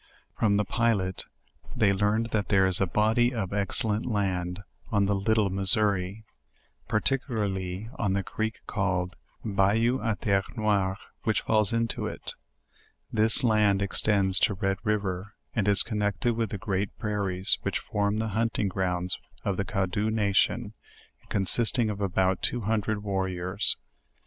From tke pilot they learned that there is a body of excellent land on the little Missouri, particularly on the creek called the "Bayou a ter re noire," which falls into it. This land extends to Red riv er, and is connected with the great prairies which form the hunting grounds of the Cadaux nation, consisting of about two hundred warriors.